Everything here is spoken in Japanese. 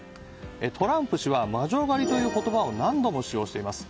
トランプ氏は魔女狩りという言葉を何度も使用しています。